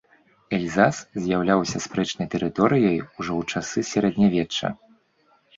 Эльзас з'яўляўся спрэчнай тэрыторыяй ужо ў часы сярэднявечча.